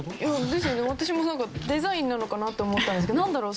私もなんかデザインなのかなって思ったんですけどなんだろう？